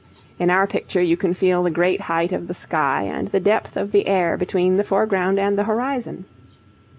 In our picture you can feel the great height of the sky and the depth of the air between the foreground and the horizon.